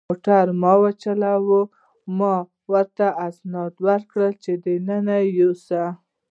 موټر ما چلاوه، ما ورته اسناد ورکړل چې دننه یې یوسي.